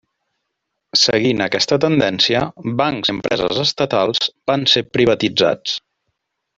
Seguint aquesta tendència, bancs i empreses estatals van ser privatitzats.